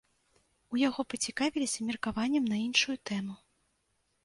У яго пацікавіліся меркаваннем на іншую тэму.